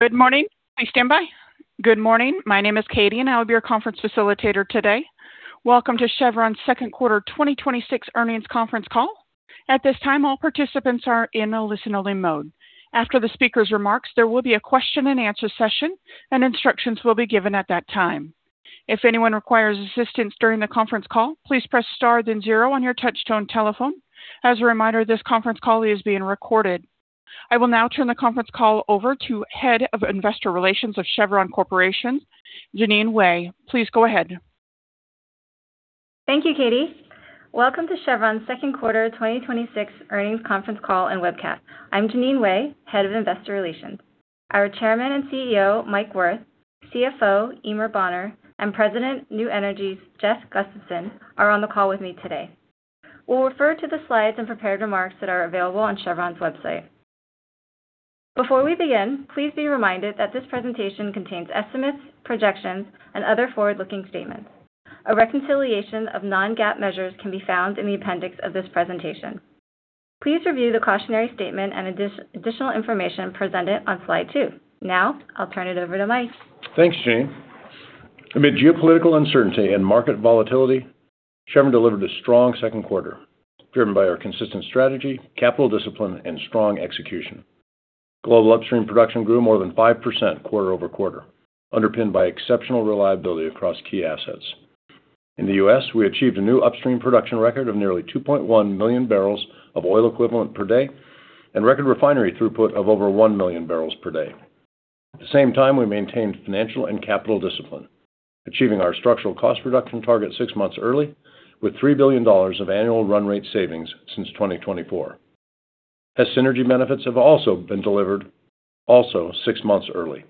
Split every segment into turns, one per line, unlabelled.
Good morning. Please stand by. Good morning. My name is Katie, and I'll be your conference facilitator today. Welcome to Chevron's second quarter 2026 earnings conference call. At this time, all participants are in a listen-only mode. After the speaker's remarks, there will be a question-and-answer session, and instructions will be given at that time. If anyone requires assistance during the conference call, please press star then zero on your touchtone telephone. As a reminder, this conference call is being recorded. I will now turn the conference call over to Head of Investor Relations of Chevron Corporation, Jeanine Wai. Please go ahead.
Thank you, Katie. Welcome to Chevron's second quarter 2026 earnings conference call and webcast. I'm Jeanine Wai, Head of Investor Relations. Our Chairman and CEO, Mike Wirth, CFO, Eimear Bonner, and President New Energies, Jeff Gustavson, are on the call with me today. We'll refer to the slides and prepared remarks that are available on chevron's website. Before we begin, please be reminded that this presentation contains estimates, projections, and other forward-looking statements. A reconciliation of non-GAAP measures can be found in the appendix of this presentation. Please review the cautionary statement and additional information presented on slide two. I'll turn it over to Mike.
Thanks, Jeanine. Amid geopolitical uncertainty and market volatility, Chevron delivered a strong second quarter driven by our consistent strategy, capital discipline, and strong execution. Global upstream production grew more than 5% quarter-over-quarter, underpinned by exceptional reliability across key assets. In the U.S., we achieved a new upstream production record of nearly 2.1 2.1 MMboed and record refinery throughput of over 1 MMbpd. At the same time, we maintained financial and capital discipline, achieving our structural cost reduction target six months early with $3 billion of annual run rate savings since 2024. Hess synergy benefits have also been delivered, also six months early.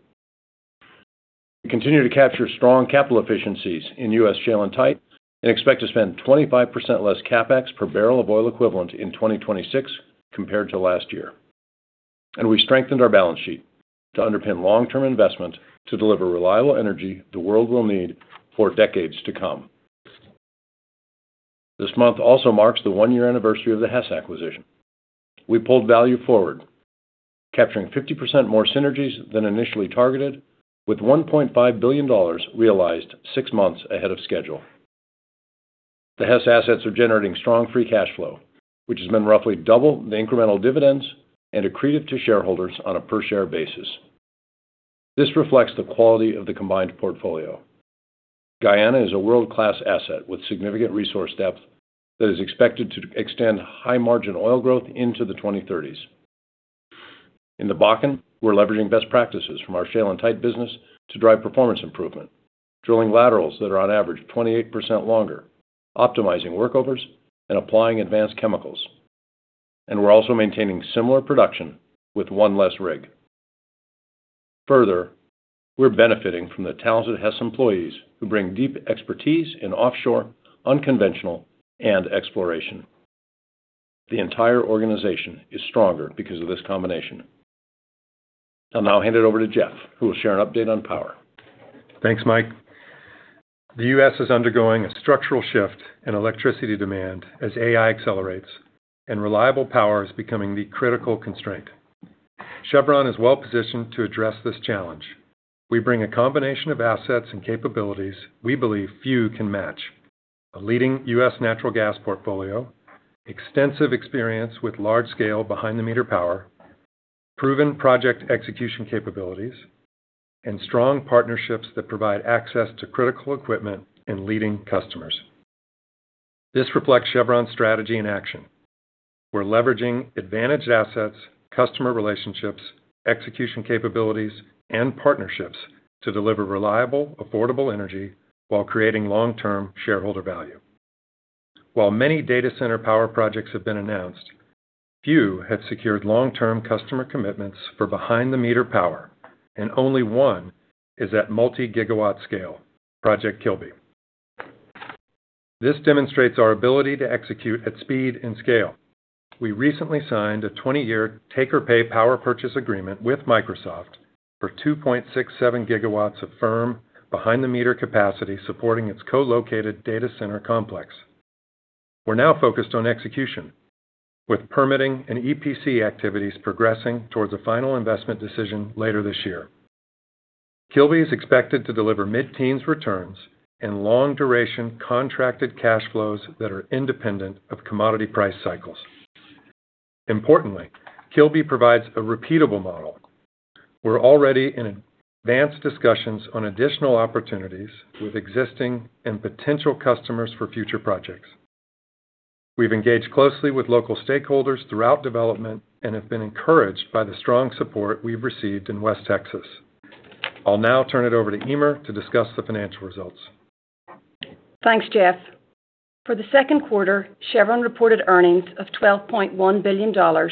We continue to capture strong capital efficiencies in U.S. shale and tight and expect to spend 25% less CapEx per barrel of oil equivalent in 2026 compared to last year. We strengthened our balance sheet to underpin long-term investment to deliver reliable energy the world will need for decades to come. This month also marks the one-year anniversary of the Hess acquisition. We pulled value forward, capturing 50% more synergies than initially targeted with $1.5 billion realized six months ahead of schedule. The Hess assets are generating strong free cash flow, which has been roughly double the incremental dividends and accretive to shareholders on a per-share basis. This reflects the quality of the combined portfolio. Guyana is a world-class asset with significant resource depth that is expected to extend high-margin oil growth into the 2030s. In the Bakken, we're leveraging best practices from our shale and tight business to drive performance improvement, drilling laterals that are on average 28% longer, optimizing workovers, and applying advanced chemicals. We're also maintaining similar production with one less rig. Further, we're benefiting from the talented Hess employees who bring deep expertise in offshore, unconventional, and exploration. The entire organization is stronger because of this combination. I'll now hand it over to Jeff, who will share an update on power.
Thanks, Mike. The U.S. is undergoing a structural shift in electricity demand as AI accelerates and reliable power is becoming the critical constraint. Chevron is well-positioned to address this challenge. We bring a combination of assets and capabilities we believe few can match. A leading U.S. natural gas portfolio, extensive experience with large-scale behind-the-meter power, proven project execution capabilities, and strong partnerships that provide access to critical equipment and leading customers. This reflects Chevron's strategy in action. We're leveraging advantaged assets, customer relationships, execution capabilities, and partnerships to deliver reliable, affordable energy while creating long-term shareholder value. While many data center power projects have been announced, few have secured long-term customer commitments for behind-the-meter power, and only one is at multi-gigawatt scale, Project Kilby. This demonstrates our ability to execute at speed and scale. We recently signed a 20-year take-or-pay power purchase agreement with Microsoft for 2.67 GW of firm behind-the-meter capacity supporting its co-located data center complex. We're now focused on execution, with permitting and EPC activities progressing towards a final investment decision later this year. Kilby is expected to deliver mid-teens returns and long-duration contracted cash flows that are independent of commodity price cycles. Importantly, Kilby provides a repeatable model. We're already in advanced discussions on additional opportunities with existing and potential customers for future projects. We've engaged closely with local stakeholders throughout development and have been encouraged by the strong support we've received in West Texas. I'll now turn it over to Eimear to discuss the financial results.
Thanks, Jeff. For the second quarter, Chevron reported earnings of $12.1 billion or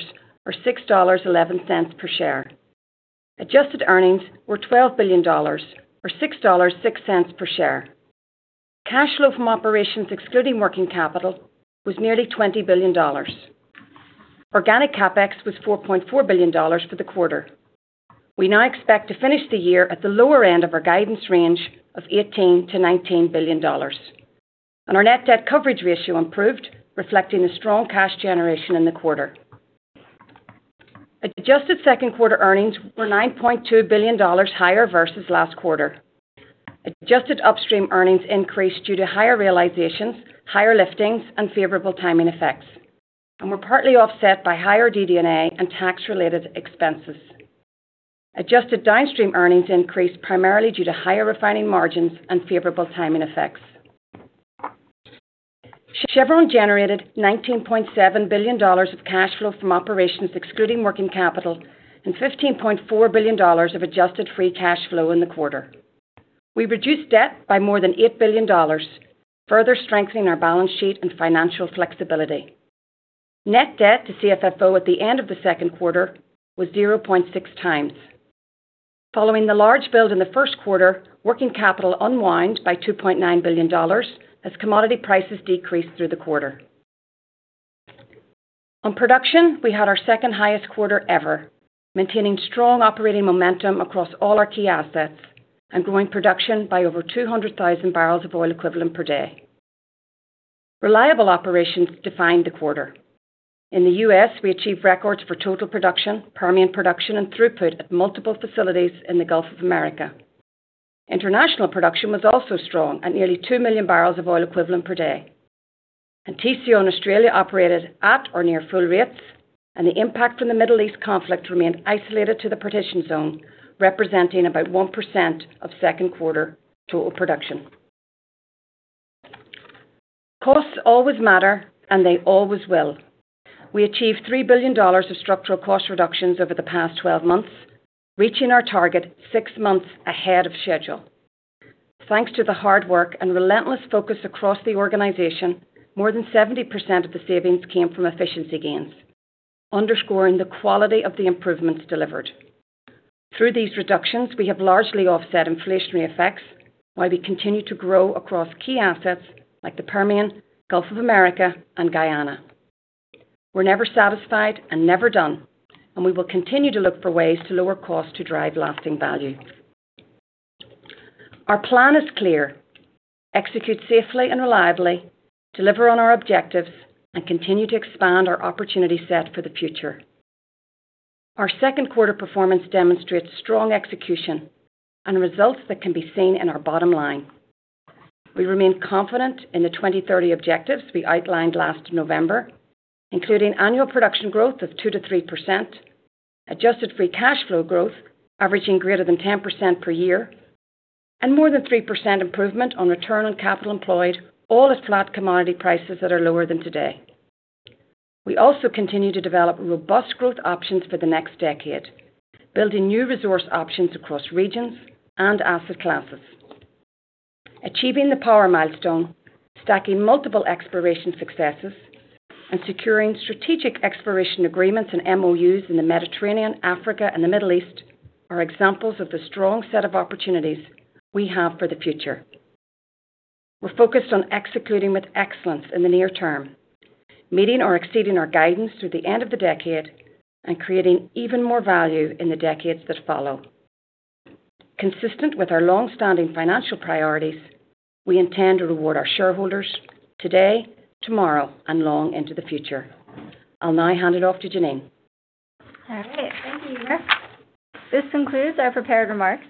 $6.11 per share. Adjusted earnings were $12 billion or $6.06 per share. Cash flow from operations excluding working capital was nearly $20 billion. Organic CapEx was $4.4 billion for the quarter. We now expect to finish the year at the lower end of our guidance range of $18 billion to $19 billion. Our net debt coverage ratio improved, reflecting a strong cash generation in the quarter. Adjusted second quarter earnings were $9.2 billion higher versus last quarter. Adjusted upstream earnings increased due to higher realizations, higher liftings, and favorable timing effects, and were partly offset by higher DD&A and tax-related expenses. Adjusted downstream earnings increased primarily due to higher refining margins and favorable timing effects. Chevron generated $19.7 billion of cash flow from operations excluding working capital and $15.4 billion of adjusted free cash flow in the quarter. We reduced debt by more than $8 billion, further strengthening our balance sheet and financial flexibility. Net debt to CFFO at the end of the second quarter was 0.6 times. Following the large build in the first quarter, working capital unwind by $2.9 billion as commodity prices decreased through the quarter. We had our second highest quarter ever, maintaining strong operating momentum across all our key assets and growing production by over 200,000 barrels of oil equivalent per day. Reliable operations defined the quarter. In the U.S., we achieved records for total production, Permian production, and throughput at multiple facilities in the Gulf of Mexico. International production was also strong at nearly 2 MMboed. Tengizchevroil in Kazakhstan operated at or near full rates, and the impact from the Middle East conflict remained isolated to the partition zone, representing about 1% of second quarter total production. Costs always matter, and they always will. We achieved $3 billion of structural cost reductions over the past 12 months, reaching our target six months ahead of schedule. Thanks to the hard work and relentless focus across the organization, more than 70% of the savings came from efficiency gains, underscoring the quality of the improvements delivered. Through these reductions, we have largely offset inflationary effects while we continue to grow across key assets like the Permian, Gulf of Mexico, and Guyana. We're never satisfied and never done, we will continue to look for ways to lower costs to drive lasting value. Our plan is clear: execute safely and reliably, deliver on our objectives, and continue to expand our opportunity set for the future. Our second quarter performance demonstrates strong execution and results that can be seen in our bottom line. We remain confident in the 2030 objectives we outlined last November, including annual production growth of 2%-3%, adjusted free cash flow growth averaging greater than 10% per year, and more than 3% improvement on return on capital employed, all at flat commodity prices that are lower than today. We also continue to develop robust growth options for the next decade, building new resource options across regions and asset classes. Achieving the power milestone, stacking multiple exploration successes, and securing strategic exploration agreements and MOUs in the Mediterranean, Africa, and the Middle East are examples of the strong set of opportunities we have for the future. We're focused on executing with excellence in the near term, meeting or exceeding our guidance through the end of the decade, and creating even more value in the decades that follow. Consistent with our longstanding financial priorities, we intend to reward our shareholders today, tomorrow, and long into the future. I'll now hand it off to Jeanine.
All right. Thank you, Eimear. This concludes our prepared remarks.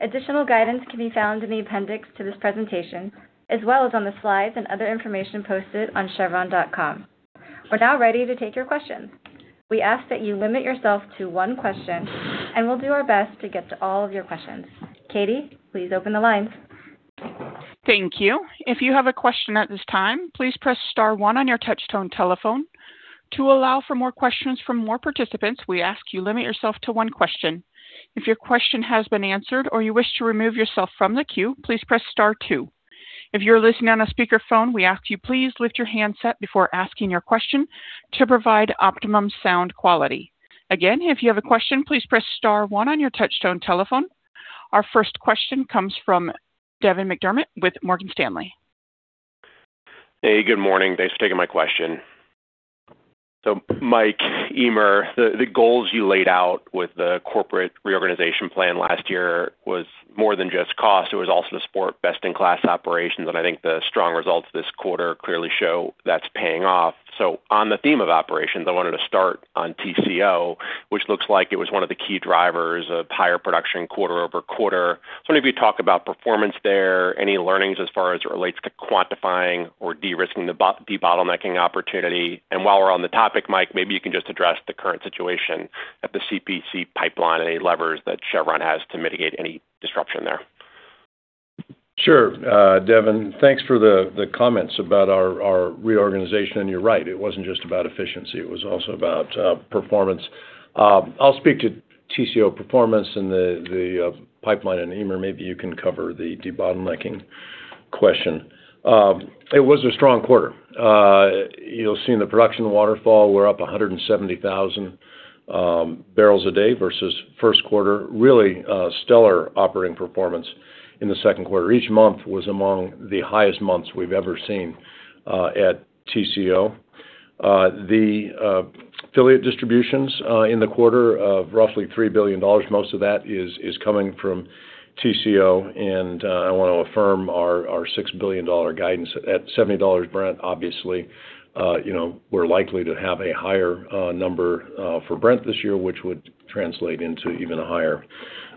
Additional guidance can be found in the appendix to this presentation, as well as on the slides and other information posted on chevron.com. We're now ready to take your questions. We ask that you limit yourself to one question, and we'll do our best to get to all of your questions. Katie, please open the lines.
Thank you. If you have a question at this time, please press star one on your touchtone telephone. To allow for more questions from more participants, we ask you limit yourself to one question. If your question has been answered or you wish to remove yourself from the queue, please press star two. If you're listening on a speakerphone, we ask you please lift your handset before asking your question to provide optimum sound quality. Again, if you have a question, please press star one on your touchtone telephone. Our first question comes from Devin McDermott with Morgan Stanley.
Hey, good morning. Thanks for taking my question. Mike, Eimear, the goals you laid out with the corporate reorganization plan last year was more than just cost. It was also to support best-in-class operations, and I think the strong results this quarter clearly show that's paying off. On the theme of operations, I wanted to start on TCO, which looks like it was one of the key drivers of higher production quarter-over-quarter. Just wonder if you could talk about performance there, any learnings as far as it relates to quantifying or de-bottlenecking opportunity. While we're on the topic, Mike, maybe you can just address the current situation at the CPC pipeline, any levers that Chevron has to mitigate any disruption there.
Sure. Devin, thanks for the comments about our reorganization. You're right, it wasn't just about efficiency, it was also about performance. I'll speak to Tengizchevroil performance and the pipeline, and Eimear, maybe you can cover the debottlenecking question. It was a strong quarter. You'll see in the production waterfall, we're up 170,000 barrels a day versus first quarter. Really stellar operating performance in the second quarter. Each month was among the highest months we've ever seen at Tengizchevroil The affiliate distributions in the quarter of roughly $3 billion, most of that is coming from TCO. I want to affirm our $6 billion guidance at $70 Brent. Obviously, we're likely to have a higher number for Brent this year, which would translate into even higher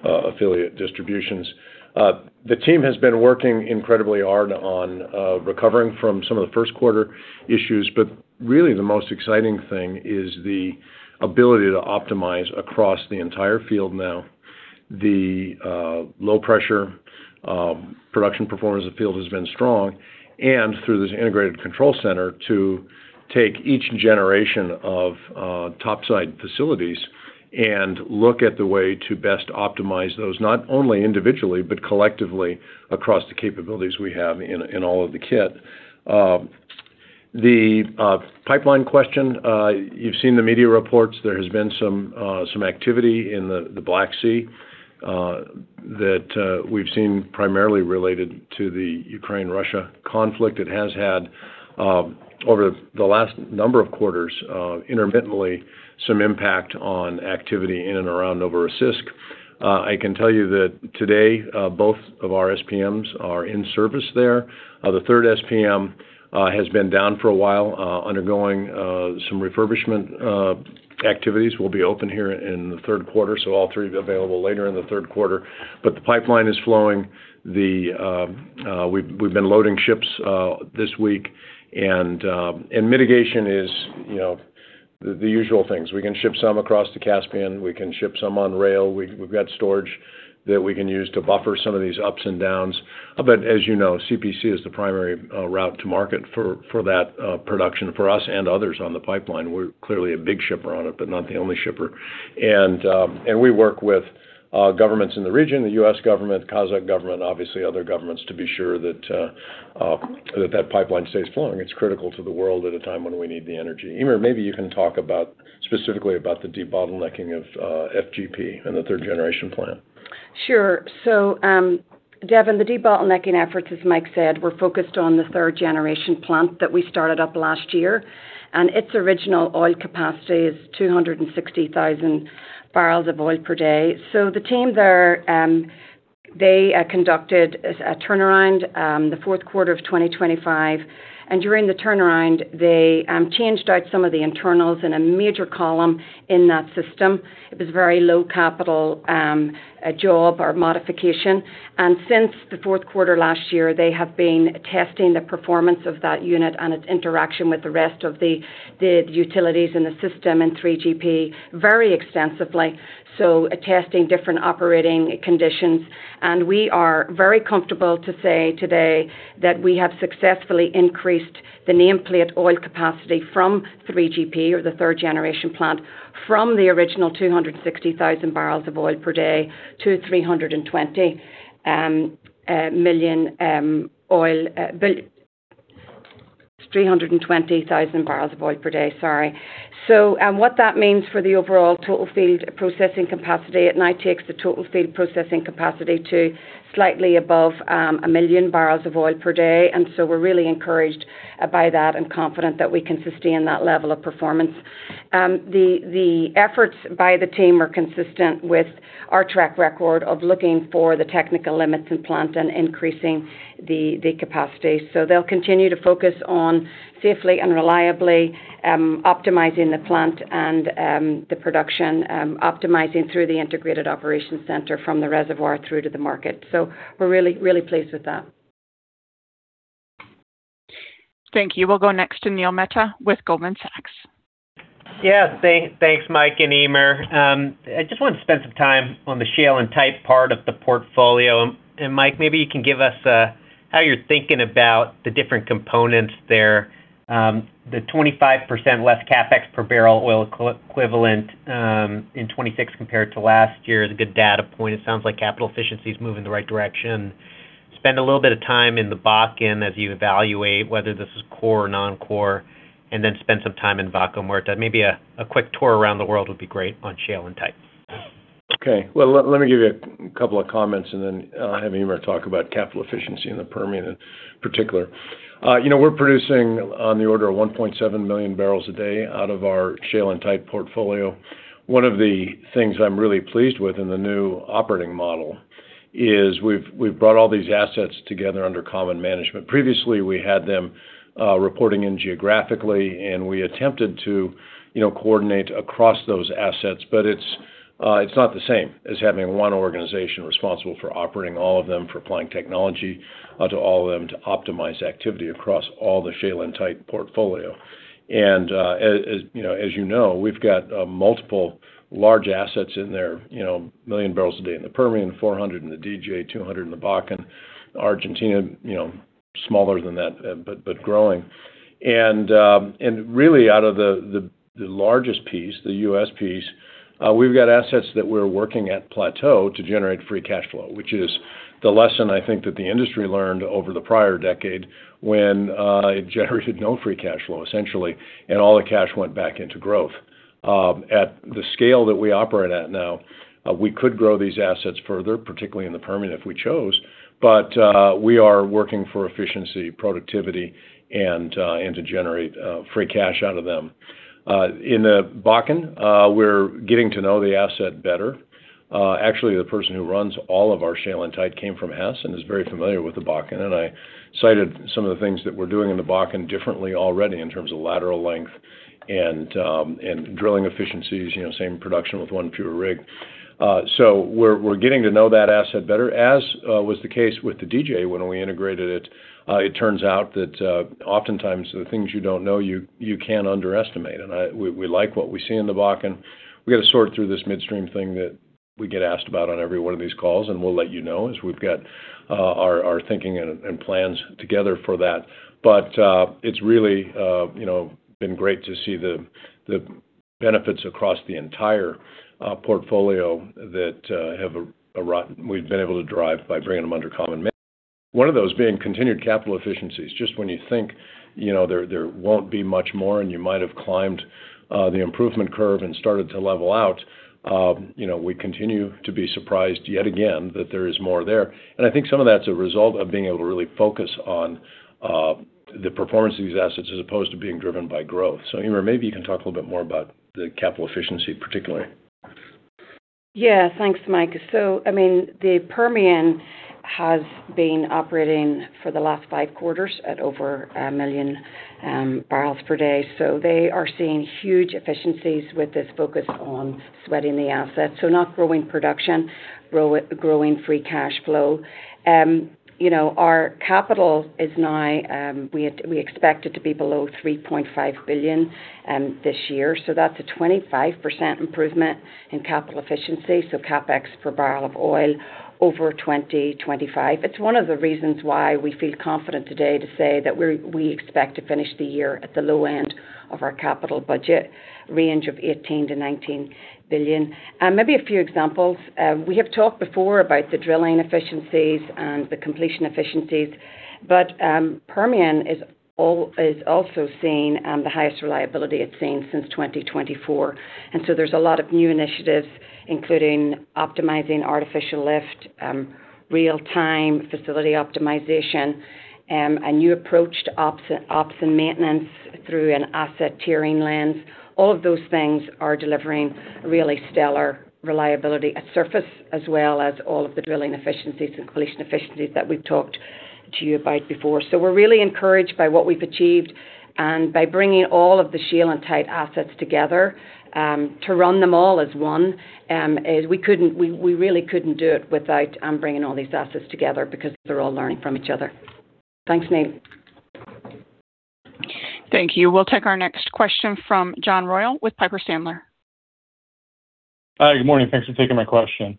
affiliate distributions. The team has been working incredibly hard on recovering from some of the first quarter issues. Really the most exciting thing is the ability to optimize across the entire field now. The low-pressure production performance of the field has been strong, and through this integrated control center, to take each generation of topside facilities and look at the way to best optimize those, not only individually, but collectively across the capabilities we have in all of the kit. The pipeline question, you've seen the media reports. There has been some activity in the Black Sea that we've seen primarily related to the Ukraine-Russia conflict. It has had, over the last number of quarters, intermittently, some impact on activity in and around Novorossiysk. I can tell you that today, both of our SPMs are in service there. The third SPM has been down for a while, undergoing some refurbishment activities. It will be open here in the third quarter, so all three will be available later in the third quarter. The pipeline is flowing. We've been loading ships this week. Mitigation is the usual things. We can ship some across the Caspian. We can ship some on rail. We've got storage that we can use to buffer some of these ups and downs. As you know, CPC is the primary route to market for that production for us and others on the pipeline. We're clearly a big shipper on it, but not the only shipper. We work with governments in the region, the U.S. government, Kazakh government, obviously other governments, to be sure that that pipeline stays flowing. It's critical to the world at a time when we need the energy. Eimear, maybe you can talk specifically about the debottlenecking of FGP and the third-generation plant.
Sure. Devin, the debottlenecking efforts, as Mike said, were focused on the third-generation plant that we started up last year, and its original oil capacity is 260,000 barrels of oil per day. The team there, they conducted a turnaround the fourth quarter of 2025, and during the turnaround, they changed out some of the internals in a major column in that system. It was a very low-capital job or modification, and since the fourth quarter last year, they have been testing the performance of that unit and its interaction with the rest of the utilities in the system in 3GP very extensively. Testing different operating conditions. We are very comfortable to say today that we have successfully increased the nameplate oil capacity from 3GP, or the third-generation plant, from the original 260,000 barrels of oil per day to 320,000 barrels of oil per day. What that means for the overall total field processing capacity, it now takes the total field processing capacity to slightly above 1 MMbpd. We're really encouraged by that and confident that we can sustain that level of performance. The efforts by the team are consistent with our track record of looking for the technical limits in plant and increasing the capacity. They'll continue to focus on safely and reliably optimizing the plant and the production, optimizing through the integrated operations center from the reservoir through to the market. We're really pleased with that.
Thank you. We'll go next to Neil Mehta with Goldman Sachs.
Thanks, Mike and Eimear. I just want to spend some time on the shale and type part of the portfolio. Mike, maybe you can give us how you're thinking about the different components there. The 25% less CapEx per barrel oil equivalent in 2026 compared to last year is a good data point. It sounds like capital efficiency is moving in the right direction. Spend a little bit of time in the Bakken as you evaluate whether this is core or non-core, and then spend some time in Vaca Muerta. Maybe a quick tour around the world would be great on shale and type.
Okay. Well, let me give you a couple of comments, then I'll have Eimear talk about capital efficiency in the Permian in particular. We're producing on the order of 1.7 MMbpd out of our shale and type portfolio. One of the things I'm really pleased with in the new operating model is we've brought all these assets together under common management. Previously, we had them reporting in geographically, and we attempted to coordinate across those assets, but it's not the same as having one organization responsible for operating all of them, for applying technology to all of them to optimize activity across all the shale and type portfolio. As you know, we've got multiple large assets in there. 1 MMbpd in the Permian, 400 in the DJ, 200 in the Bakken. Argentina, smaller than that, but growing. Really out of the largest piece, the U.S. piece, we've got assets that we're working at plateau to generate free cash flow, which is the lesson I think that the industry learned over the prior decade when it generated no free cash flow, essentially, and all the cash went back into growth. At the scale that we operate at now, we could grow these assets further, particularly in the Permian if we chose. We are working for efficiency, productivity, and to generate free cash out of them. In the Bakken, we're getting to know the asset better. Actually, the person who runs all of our shale and tight came from Hess and is very familiar with the Bakken, and I cited some of the things that we're doing in the Bakken differently already in terms of lateral length and drilling efficiencies, same production with one fewer rig. We're getting to know that asset better. As was the case with the DJ when we integrated it turns out that oftentimes the things you don't know, you can underestimate. We like what we see in the Bakken. We got to sort through this midstream thing that we get asked about on every one of these calls, and we'll let you know as we've got our thinking and plans together for that. It's really been great to see the benefits across the entire portfolio that we've been able to drive by bringing them under common. One of those being continued capital efficiencies, just when you think there won't be much more and you might have climbed the improvement curve and started to level out, we continue to be surprised yet again that there is more there. I think some of that's a result of being able to really focus on the performance of these assets as opposed to being driven by growth. Eimear, maybe you can talk a little bit more about the capital efficiency, particularly.
Thanks, Mike. The Permian has been operating for the last five quarters at over 1 MMbpd. They are seeing huge efficiencies with this focus on sweating the asset. Not growing production, growing free cash flow. Our capital is now, we expect it to be below $3.5 billion this year. That's a 25% improvement in capital efficiency, so CapEx per barrel of oil over 2025. It's one of the reasons why we feel confident today to say that we expect to finish the year at the low end of our capital budget range of $18 billion-$19 billion. Maybe a few examples. We have talked before about the drilling efficiencies and the completion efficiencies. Permian is also seeing the highest reliability it's seen since 2024. There's a lot of new initiatives, including optimizing artificial lift, real-time facility optimization, a new approach to ops and maintenance through an asset-tiering lens. All of those things are delivering really stellar reliability at surface as well as all of the drilling efficiencies and completion efficiencies that we've talked to you about before. We're really encouraged by what we've achieved and by bringing all of the shale and tight assets together to run them all as one. We really couldn't do it without bringing all these assets together because they're all learning from each other. Thanks, Neil.
Thank you. We'll take our next question from John Royall with Piper Sandler.
Hi. Good morning. Thanks for taking my question.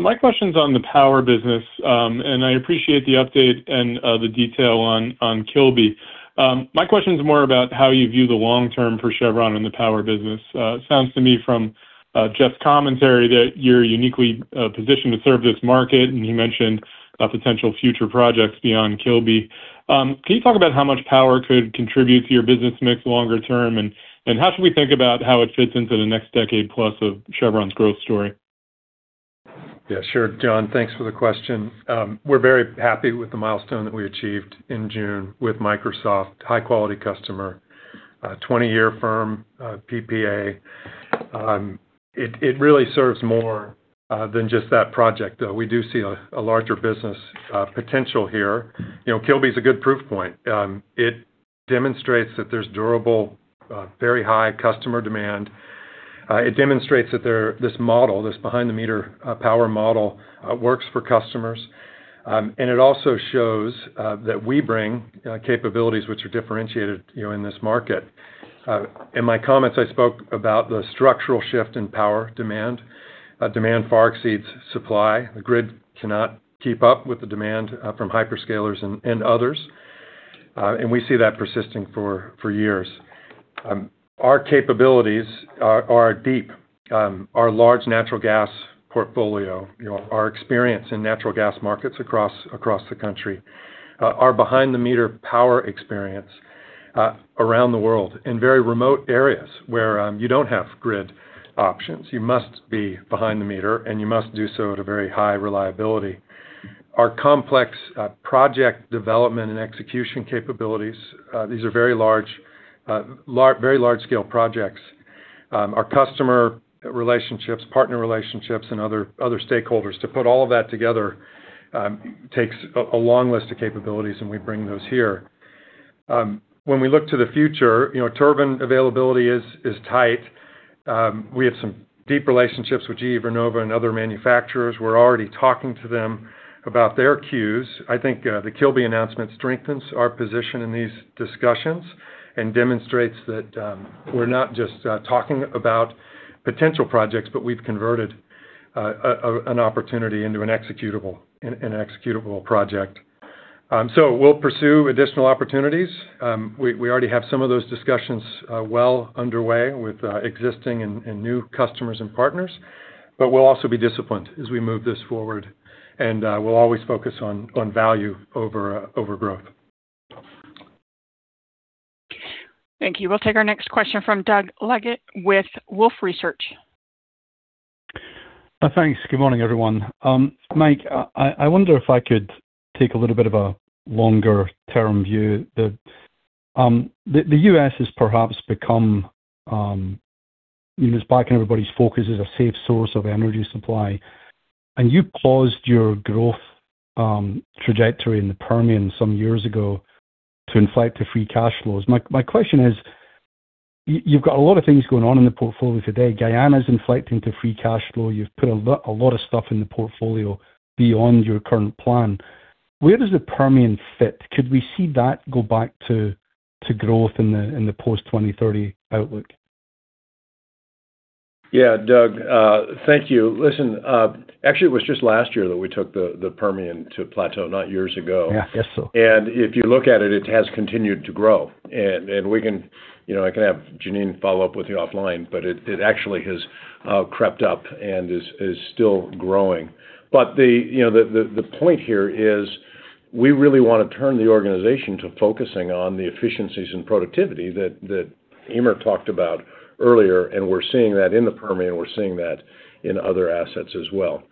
My question's on the power business. I appreciate the update and the detail on Kilby. My question is more about how you view the long term for Chevron in the power business. It sounds to me from Jeff's commentary that you're uniquely positioned to serve this market, and he mentioned potential future projects beyond Kilby. Can you talk about how much power could contribute to your business mix longer term, and how should we think about how it fits into the next decade plus of Chevron's growth story?
Yeah, sure. John, thanks for the question. We're very happy with the milestone that we achieved in June with Microsoft, high quality customer, 20-year firm PPA. It really serves more than just that project, though. We do see a larger business potential here. Kilby's a good proof point. It demonstrates that there's durable very high customer demand. It demonstrates that this model, this behind-the-meter power model works for customers. It also shows that we bring capabilities which are differentiated in this market. In my comments, I spoke about the structural shift in power demand. Demand far exceeds supply. The grid cannot keep up with the demand from hyperscalers and others. We see that persisting for years. Our capabilities are deep. Our large natural gas portfolio, our experience in natural gas markets across the country, our behind-the-meter power experience around the world in very remote areas where you don't have grid options, you must be behind the meter, and you must do so at a very high reliability. Our complex project development and execution capabilities, these are very large scale projects. Our customer relationships, partner relationships, and other stakeholders to put all of that together takes a long list of capabilities, and we bring those here. When we look to the future, turbine availability is tight. We have some deep relationships with GE Vernova and other manufacturers. We're already talking to them about their queues. I think the Kilby announcement strengthens our position in these discussions and demonstrates that we're not just talking about potential projects, but we've converted an opportunity into an executable project. We'll pursue additional opportunities. We already have some of those discussions well underway with existing and new customers and partners, but we'll also be disciplined as we move this forward, and we'll always focus on value over growth.
Thank you. We'll take our next question from Doug Leggate with Wolfe Research.
Thanks. Good morning, everyone. Mike, I wonder if I could take a little bit of a longer-term view. The U.S. has perhaps become, it's back in everybody's focus as a safe source of energy supply. You paused your growth trajectory in the Permian some years ago to inflect to free cash flows. My question is, you've got a lot of things going on in the portfolio today. Guyana's inflecting to free cash flow. You've put a lot of stuff in the portfolio beyond your current plan. Where does the Permian fit? Could we see that go back to growth in the post-2030 outlook?
Yeah. Doug, thank you. Listen, actually, it was just last year that we took the Permian to plateau, not years ago.
Yeah. I guess so.
If you look at it has continued to grow. I can have Jeanine follow up with you offline, but it actually has crept up and is still growing. The point here is, we really want to turn the organization to focusing on the efficiencies and productivity that Eimear talked about earlier, and we're seeing that in the Permian, we're seeing that in other assets as well.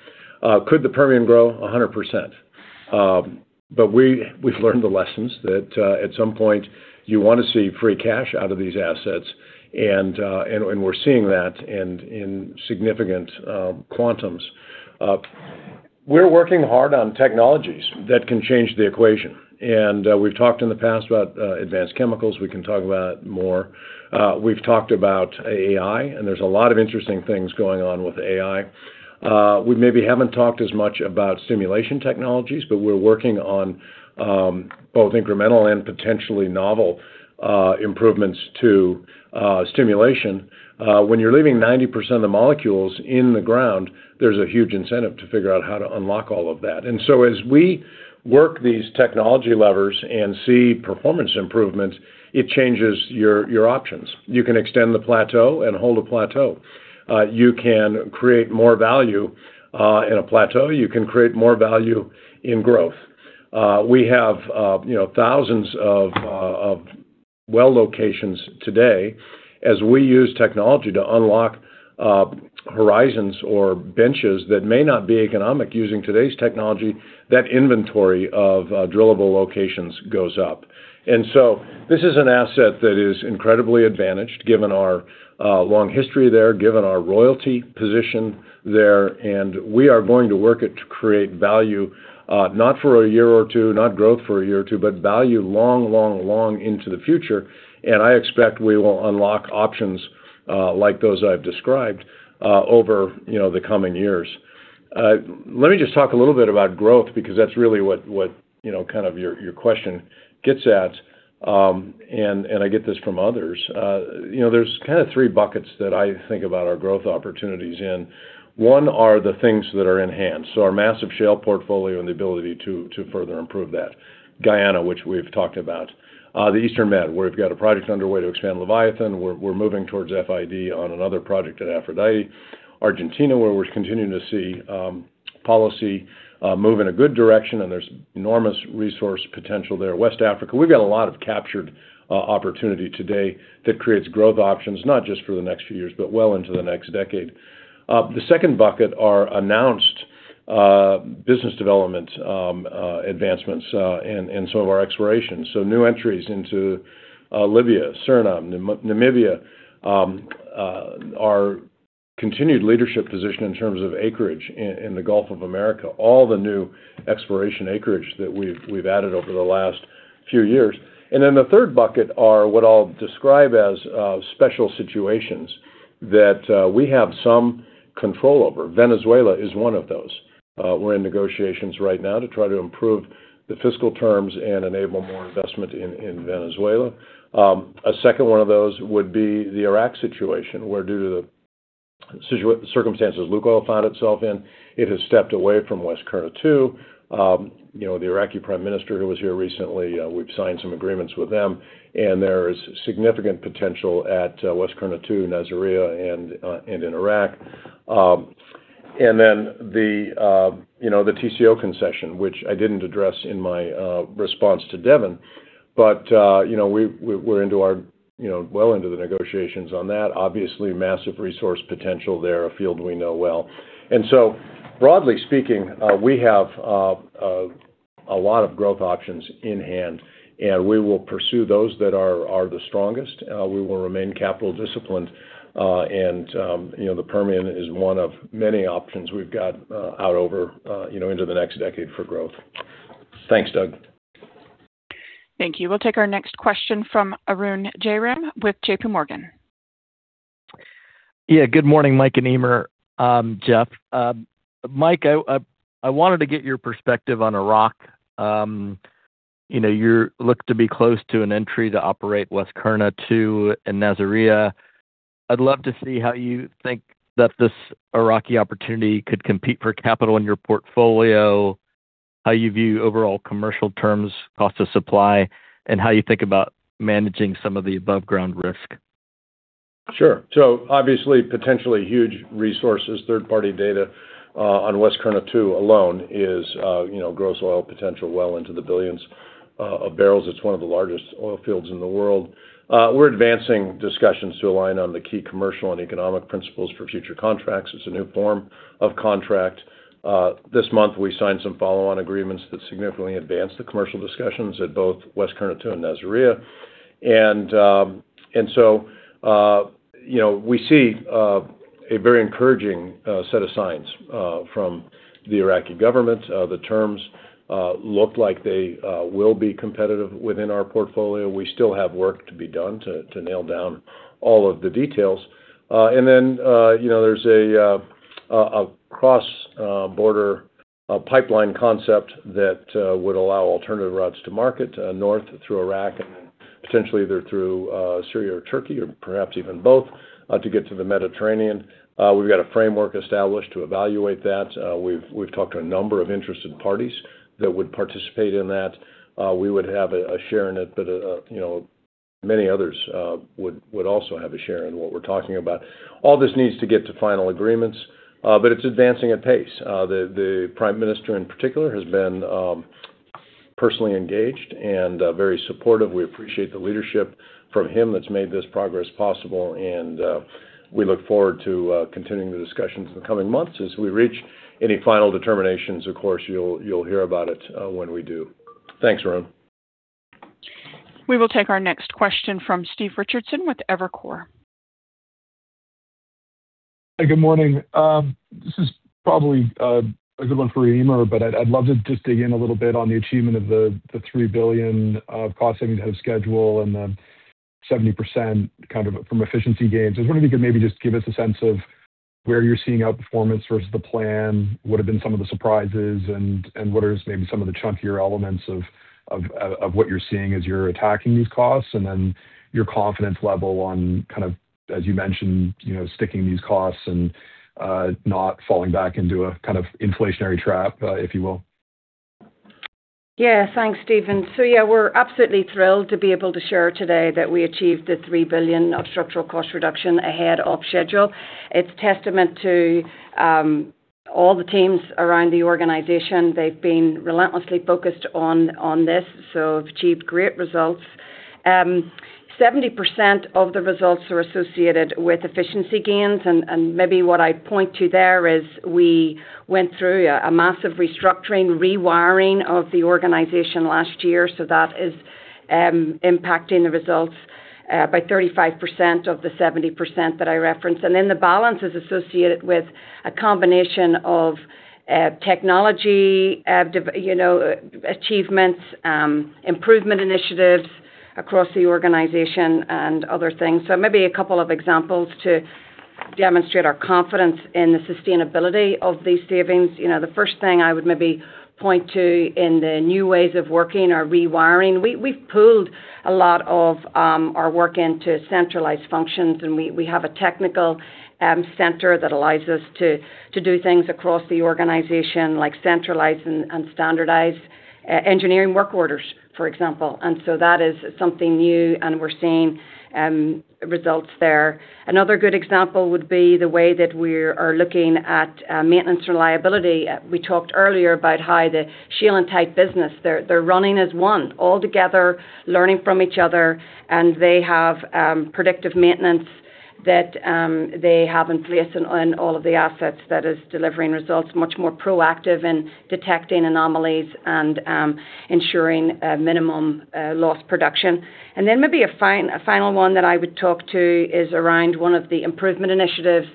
Could the Permian grow 100%? We've learned the lessons that at some point you want to see free cash out of these assets, and we're seeing that in significant quantums. We're working hard on technologies that can change the equation. We've talked in the past about advanced chemicals. We can talk about it more. We've talked about AI, and there's a lot of interesting things going on with AI. We maybe haven't talked as much about stimulation technologies, but we're working on both incremental and potentially novel improvements to stimulation. When you're leaving 90% of the molecules in the ground, there's a huge incentive to figure out how to unlock all of that. As we work these technology levers and see performance improvements, it changes your options. You can extend the plateau and hold a plateau. You can create more value in a plateau. You can create more value in growth. We have thousands of well locations today. As we use technology to unlock horizons or benches that may not be economic using today's technology, that inventory of drillable locations goes up. This is an asset that is incredibly advantaged given our long history there, given our royalty position there, and we are going to work it to create value, not for a year or two, not growth for a year or two, but value long, long, long into the future. I expect we will unlock options like those I've described over the coming years. Let me just talk a little bit about growth, because that's really what your question gets at, and I get this from others. There's three buckets that I think about our growth opportunities in. One are the things that are enhanced. Our massive shale portfolio and the ability to further improve that. Guyana, which we've talked about. The Eastern Med, where we've got a project underway to expand Leviathan. We're moving towards FID on another project at Aphrodite. Argentina, where we're continuing to see policy move in a good direction, and there's enormous resource potential there. West Africa. We've got a lot of captured opportunity today that creates growth options, not just for the next few years, but well into the next decade. The second bucket are announced business development advancements in some of our exploration. New entries into Libya, Suriname, Namibia. Our continued leadership position in terms of acreage in the Gulf of Mexico, all the new exploration acreage that we've added over the last few years. The third bucket are what I'll describe as special situations that we have some control over. Venezuela is one of those. We're in negotiations right now to try to improve the fiscal terms and enable more investment in Venezuela. A second one of those would be the Iraq situation, where due to the circumstances LUKOIL found itself in, it has stepped away from West Qurna-2. The Iraqi prime minister, who was here recently, we've signed some agreements with them, and there is significant potential at West Qurna-2, Nasiriyah, and in Iraq. The Tengizchevroil concession, which I didn't address in my response to Devin. We're well into the negotiations on that. Obviously massive resource potential there, a field we know well. Broadly speaking, we have a lot of growth options in hand, and we will pursue those that are the strongest. We will remain capital disciplined. The Permian is one of many options we've got out over into the next decade for growth. Thanks, Doug.
Thank you. We'll take our next question from Arun Jayaram with JPMorgan.
Yeah. Good morning, Mike and Eimear. Jeff. Mike, I wanted to get your perspective on Iraq. You're looked to be close to an entry to operate West Qurna-2 and Nasiriyah. I'd love to see how you think that this Iraqi opportunity could compete for capital in your portfolio, how you view overall commercial terms, cost of supply, and how you think about managing some of the above ground risk?
Sure. Obviously, potentially huge resources. Third-party data on West Qurna-2 alone is gross oil potential well into the billions of barrels. It's one of the largest oil fields in the world. We're advancing discussions to align on the key commercial and economic principles for future contracts. This month, we signed some follow-on agreements that significantly advanced the commercial discussions at both West Qurna-2 and Nasiriyah. We see a very encouraging set of signs from the Iraqi government. The terms look like they will be competitive within our portfolio. We still have work to be done to nail down all of the details. There's a cross-border pipeline concept that would allow alternative routes to market north through Iraq and then potentially either through Syria or Turkey or perhaps even both to get to the Mediterranean. We've got a framework established to evaluate that. We've talked to a number of interested parties that would participate in that. We would have a share in it, many others would also have a share in what we're talking about. All this needs to get to final agreements, it's advancing at pace. The prime minister in particular has been personally engaged and very supportive. We appreciate the leadership from him that's made this progress possible, we look forward to continuing the discussions in the coming months. As we reach any final determinations, of course, you'll hear about it when we do. Thanks, Arun.
We will take our next question from Steve Richardson with Evercore.
Good morning. This is probably a good one for Eimear, but I'd love to just dig in a little bit on the achievement of the $3 billion of cost savings ahead of schedule and the 70% from efficiency gains. I was wondering if you could maybe just give us a sense of where you're seeing outperformance versus the plan, what have been some of the surprises and what are maybe some of the chunkier elements of what you're seeing as you're attacking these costs? Then your confidence level on, as you mentioned, sticking these costs and not falling back into a inflationary trap, if you will.
Yeah. Thanks, Stephen. We're absolutely thrilled to be able to share today that we achieved the $3 billion of structural cost reduction ahead of schedule. It's testament to all the teams around the organization. They've been relentlessly focused on this, so have achieved great results. 70% of the results are associated with efficiency gains, and maybe what I'd point to there is we went through a massive restructuring, rewiring of the organization last year. That is impacting the results by 35% of the 70% that I referenced. The balance is associated with a combination of technology achievements, improvement initiatives across the organization and other things. Maybe a couple of examples to demonstrate our confidence in the sustainability of these savings. The first thing I would maybe point to in the new ways of working or rewiring, we've pooled a lot of our work into centralized functions, and we have a technical center that allows us to do things across the organization, like centralize and standardize engineering work orders, for example. That is something new and we're seeing results there. Another good example would be the way that we are looking at maintenance reliability. We talked earlier about how the shale and tight business, they're running as one, all together, learning from each other, they have predictive maintenance that they have in place on all of the assets that is delivering results much more proactive in detecting anomalies and ensuring minimum loss production. Maybe a final one that I would talk to is around one of the improvement initiatives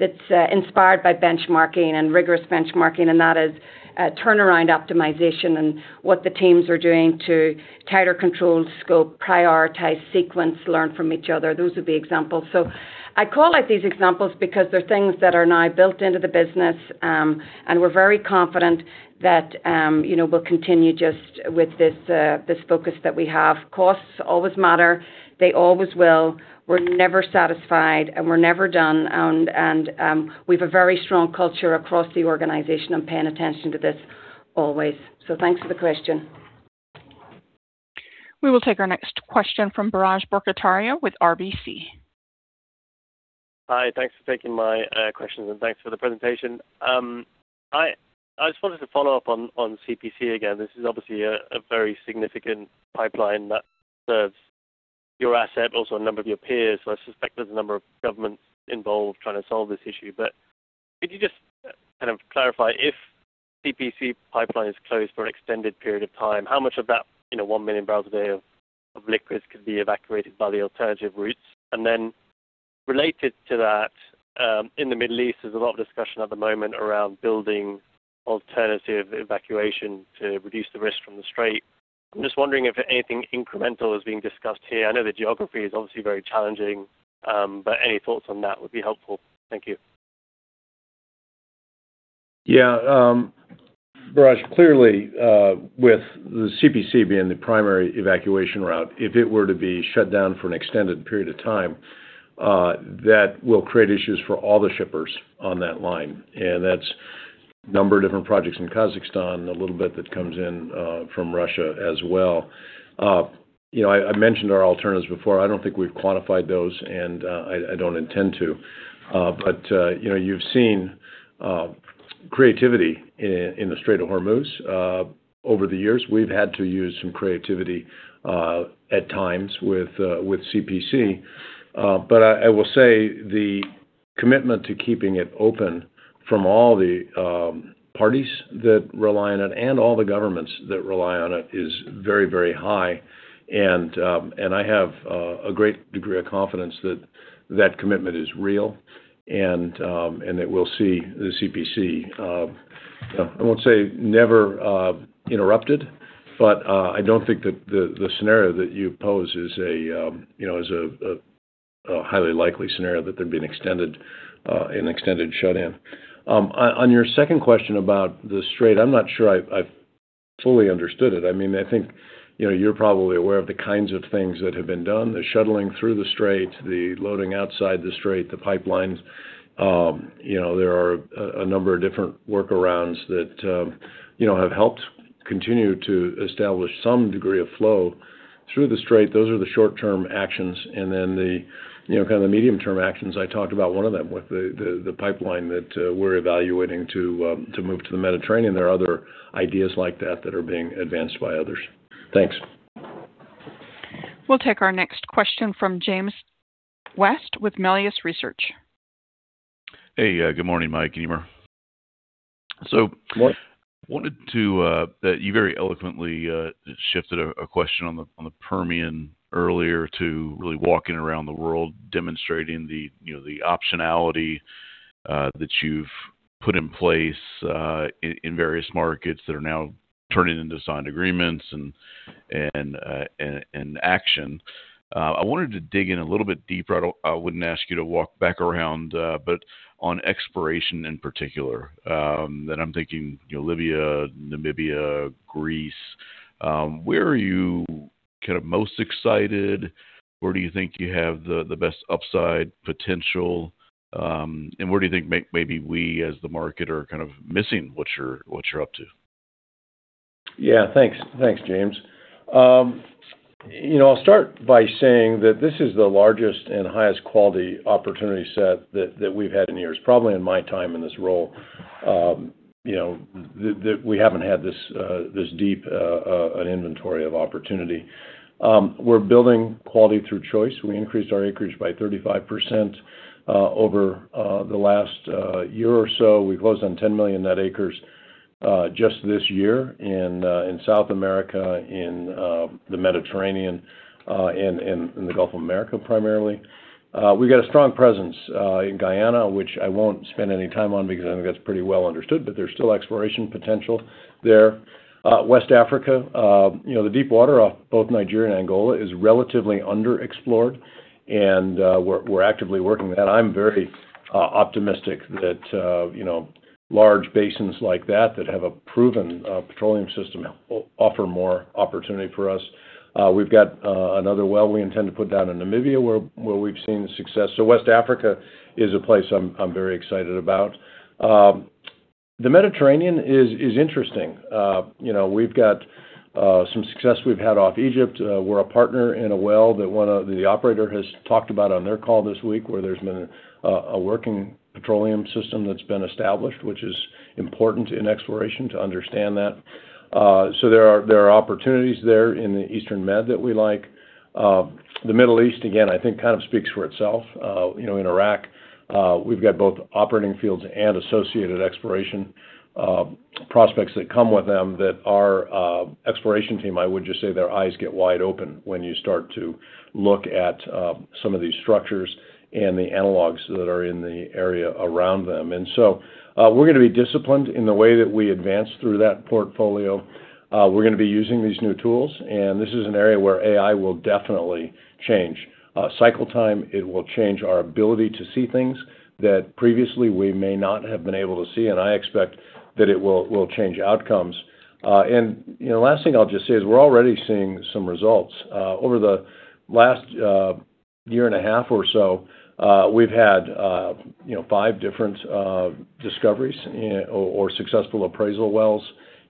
that's inspired by benchmarking and rigorous benchmarking. That is turnaround optimization and what the teams are doing to tighter control scope, prioritize, sequence, learn from each other. Those are the examples. I call out these examples because they're things that are now built into the business, and we're very confident that we'll continue just with this focus that we have. Costs always matter. They always will. We're never satisfied, and we're never done. We've a very strong culture across the organization on paying attention to this always. Thanks for the question.
We will take our next question from Biraj Borkhataria with RBC.
Hi. Thanks for taking my questions and thanks for the presentation. I just wanted to follow up on CPC again. This is obviously a very significant pipeline that serves your asset, also a number of your peers. I suspect there's a number of governments involved trying to solve this issue. Could you just clarify, if CPC pipeline is closed for an extended period of time, how much of that 1 MMbpd of liquids could be evacuated by the alternative routes? Related to that, in the Middle East, there's a lot of discussion at the moment around building alternative evacuation to reduce the risk from the Strait. I'm just wondering if anything incremental is being discussed here. I know the geography is obviously very challenging. Any thoughts on that would be helpful. Thank you.
Yeah. Biraj, clearly, with the CPC being the primary evacuation route, if it were to be shut down for an extended period of time, that will create issues for all the shippers on that line. That's Number of different projects in Kazakhstan, and a little bit that comes in from Russia as well. I mentioned our alternatives before. I don't think we've quantified those, and I don't intend to. You've seen creativity in the Strait of Hormuz over the years. We've had to use some creativity at times with CPC. I will say the commitment to keeping it open from all the parties that rely on it and all the governments that rely on it is very high. I have a great degree of confidence that that commitment is real and that we'll see the CPC, I won't say never interrupted, but I don't think that the scenario that you pose is a highly likely scenario that there'd be an extended shutdown. On your second question about the Strait, I'm not sure I've fully understood it. I think you're probably aware of the kinds of things that have been done, the shuttling through the Strait, the loading outside the Strait, the pipelines. There are a number of different workarounds that have helped continue to establish some degree of flow through the Strait. Those are the short-term actions, and then the kind of medium-term actions, I talked about one of them with the pipeline that we're evaluating to move to the Mediterranean. There are other ideas like that that are being advanced by others. Thanks.
We'll take our next question from James West with Melius Research.
Hey, good morning, Mike Wirth.
Good morning.
You very eloquently shifted a question on the Permian earlier to really walking around the world demonstrating the optionality that you've put in place in various markets that are now turning into signed agreements and action. I wanted to dig in a little bit deeper. I wouldn't ask you to walk back around, but on exploration in particular, that I'm thinking Libya, Namibia, Greece. Where are you most excited? Where do you think you have the best upside potential? Where do you think maybe we, as the market, are kind of missing what you're up to?
Yeah. Thanks, James. I'll start by saying that this is the largest and highest quality opportunity set that we've had in years, probably in my time in this role. We haven't had this deep an inventory of opportunity. We're building quality through choice. We increased our acreage by 35% over the last year or so. We closed on 10 million net acres just this year in South America, in the Mediterranean, and in the Gulf of America, primarily. We've got a strong presence in Guyana, which I won't spend any time on because I think that's pretty well understood, but there's still exploration potential there. West Africa. The deep water off both Nigeria and Angola is relatively underexplored, and we're actively working that. I'm very optimistic that large basins like that have a proven petroleum system offer more opportunity for us. We've got another well we intend to put down in Namibia where we've seen success. West Africa is a place I'm very excited about. The Mediterranean is interesting. We've got some success we've had off Egypt. We're a partner in a well that the operator has talked about on their call this week, where there's been a working petroleum system that's been established, which is important in exploration to understand that. There are opportunities there in the Eastern Med that we like. The Middle East, again, I think kind of speaks for itself. In Iraq, we've got both operating fields and associated exploration prospects that come with them that our exploration team, I would just say their eyes get wide open when you start to look at some of these structures and the analogs that are in the area around them. We're going to be disciplined in the way that we advance through that portfolio. We're going to be using these new tools, and this is an area where AI will definitely change cycle time. It will change our ability to see things that previously we may not have been able to see, and I expect that it will change outcomes. Last thing I'll just say is we're already seeing some results. Over the last year and a half or so, we've had five different discoveries or successful appraisal wells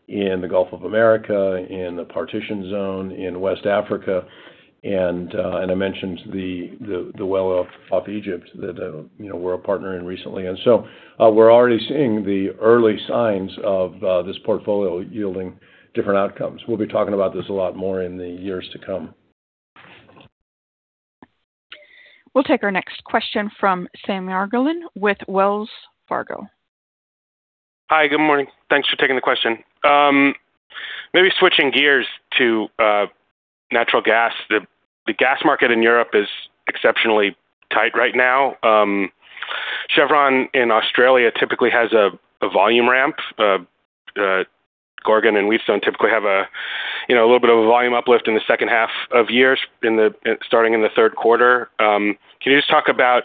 in the Gulf of America, in the Partition Zone, in West Africa, and I mentioned the well off Egypt that we're a partner in recently. We're already seeing the early signs of this portfolio yielding different outcomes. We'll be talking about this a lot more in the years to come.
We'll take our next question from Sam Margolin with Wells Fargo.
Hi, good morning. Thanks for taking the question. Maybe switching gears to natural gas. The gas market in Europe is exceptionally tight right now. Chevron in Australia typically has a volume ramp. Gorgon and Wheatstone typically have a little bit of a volume uplift in the second half of years starting in the third quarter. Can you just talk about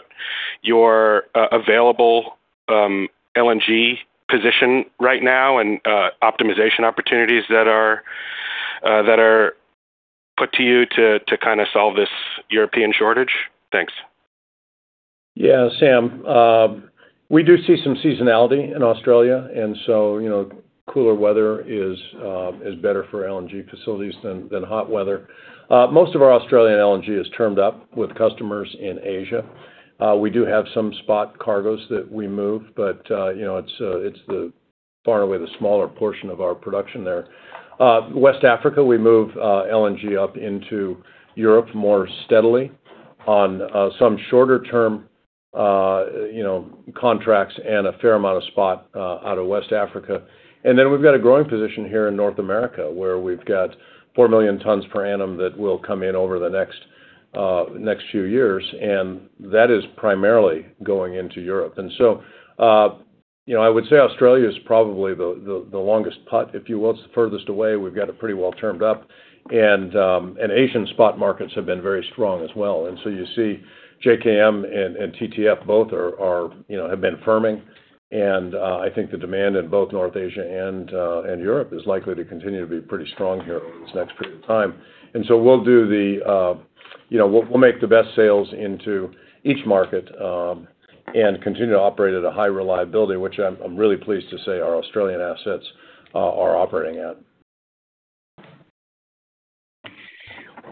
your available LNG position right now and optimization opportunities that are put to you to kind of solve this European shortage? Thanks.
Sam, we do see some seasonality in Australia, cooler weather is better for LNG facilities than hot weather. Most of our Australian LNG is termed up with customers in Asia. We do have some spot cargoes that we move, it's far and away the smaller portion of our production there. West Africa, we move LNG up into Europe more steadily on some shorter-term contracts and a fair amount of spot out of West Africa. We've got a growing position here in North America, where we've got 4 million tons per annum that will come in over the next few years, that is primarily going into Europe. I would say Australia is probably the longest putt, if you will. It's the furthest away. We've got it pretty well termed up. Asian spot markets have been very strong as well. You see JKM and TTF both have been firming, I think the demand in both North Asia and Europe is likely to continue to be pretty strong here over this next period of time. We'll make the best sales into each market, continue to operate at a high reliability, which I'm really pleased to say our Australian assets are operating at.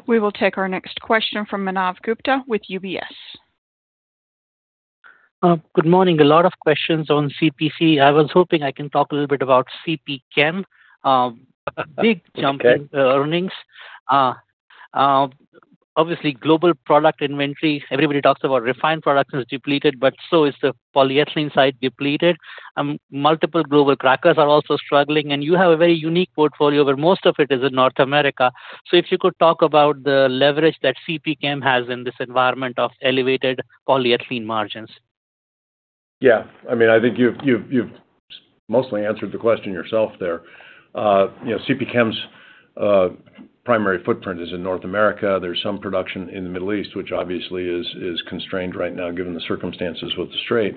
We will take our next question from Manav Gupta with UBS.
Good morning. A lot of questions on CPC. I was hoping I can talk a little bit about CPChem.
Okay.
Big jump in earnings. Obviously, global product inventory, everybody talks about refined product is depleted, so is the polyethylene site depleted. Multiple global crackers are also struggling. You have a very unique portfolio where most of it is in North America. If you could talk about the leverage that CPChem has in this environment of elevated polyethylene margins.
Yeah. I think you've mostly answered the question yourself there. CPChem's primary footprint is in North America. There's some production in the Middle East, which obviously is constrained right now given the circumstances with the Strait.